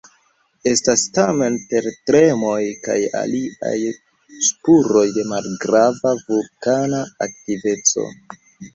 Estas tamen tertremoj kaj aliaj spuroj de malgrava vulkana aktiveco.